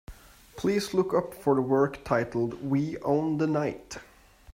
Please look up for the work titled We Own The Night.